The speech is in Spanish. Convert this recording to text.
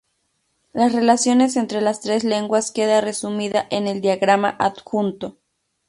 Las relaciones entre las tres lenguas queda resumida en el diagrama adjunto.